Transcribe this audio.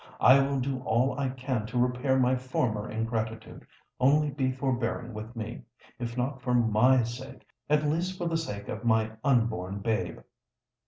"I will do all I can to repair my former ingratitude—only be forbearing with me—if not for my sake, at least for the sake of my unborn babe!"